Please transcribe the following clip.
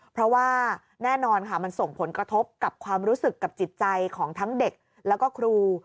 เพราะว่าแน่นอนค่ะมันส่งผลกระทบกับความรู้สึกกับจิตใจของทั้งเด็กแล้วก็ครู